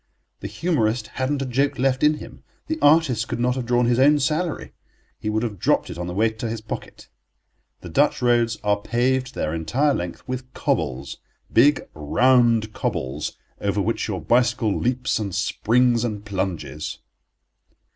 The humorist hadn't a joke left in him. The artist could not have drawn his own salary; he would have dropped it on the way to his pocket. The Dutch roads are paved their entire length with cobbles—big, round cobbles, over which your bicycle leaps and springs and plunges.